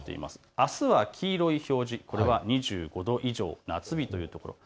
あすは黄色い表示、これは２５度以上、夏日というところ。